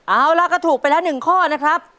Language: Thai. เอาล่ะก็ถูกไปแล้ว๑ข้อนะครับ